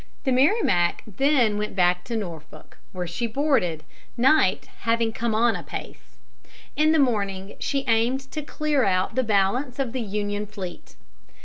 The Merrimac then went back to Norfolk, where she boarded, night having come on apace. In the morning she aimed to clear out the balance of the Union fleet.